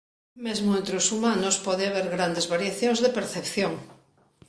Mesmo entre os humanos pode haber grandes variacións de percepción.